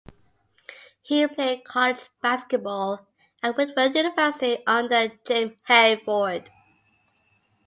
He played college basketball at Whitworth University under Jim Hayford.